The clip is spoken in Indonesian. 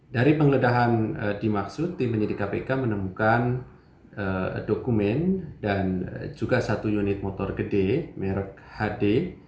dari penggeledahan dimaksud tim penyidik kpk menemukan dokumen dan juga satu unit motor gede merek hd